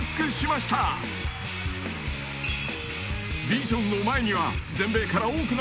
［ビジョンの前には］